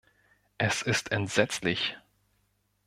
Es ist entsetzlich!